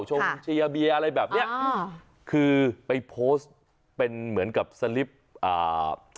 ชมเชียร์เบียร์อะไรแบบเนี้ยอ่าคือไปโพสต์เป็นเหมือนกับสลิปอ่า